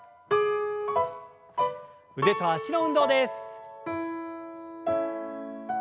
腕と脚の運動です。